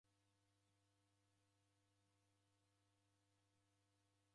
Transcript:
Irina jape ndejiandikilo.